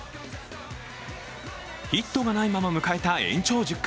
ヒットがないまま迎えた延長１０回。